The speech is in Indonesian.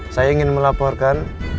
saya ingin melaporkan